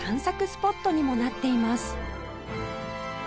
スポットにもなっています